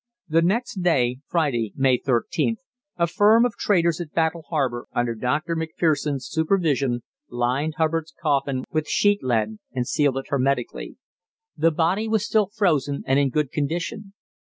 The next day (Friday, May 13th) a firm of traders at Battle Harbour, under Dr. Macpherson's supervision, lined Hubbard's coffin with sheet lead and sealed it hermetically. The body was still frozen and in good condition.